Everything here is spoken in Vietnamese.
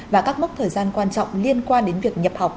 và các mốc thời gian quan trọng liên quan đến việc nhập học